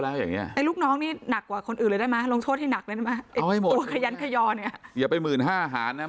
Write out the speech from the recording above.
ลงโทษให้หนักเลยได้ไหมตัวขยันฮรอยอย่าไปหมื่นห้าหาเนี่ย